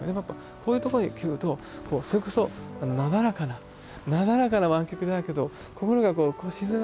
こういうとこに来るとそれこそなだらかななだらかな湾曲じゃないけど心がこう静められるっていうんですかね